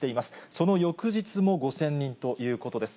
その翌日も５０００人ということです。